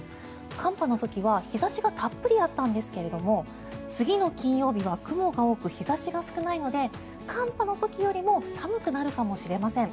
寒波の時は日差しがたっぷりあったんですが次の金曜日は雲が多く日差しが少ないので寒波の時よりも寒くなるかもしれません。